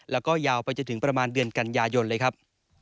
แล้วก็ยาวไปจนถึงประมาณเดือนกันยายนเลยครับ